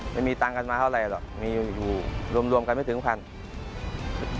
ไม่มีเงินการมาเท่าไรหรอกรวมกันไม่ถึงพันธุ์